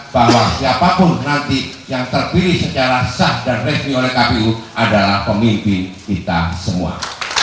bahwa siapapun nanti yang terpilih secara sah dan review oleh kpu adalah pemimpin kita semua